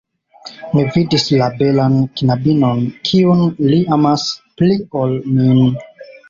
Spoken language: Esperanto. Mi vidis la belan knabinon, kiun li amas pli ol min!